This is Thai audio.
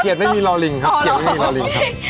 เข้ยอย่างงั้นเราก็ต้องเกลียดไม่มีรอลิง